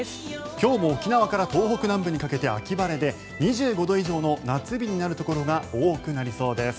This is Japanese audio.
今日も沖縄から東北南部にかけて秋晴れで２５度以上の夏日になるところが多くなりそうです。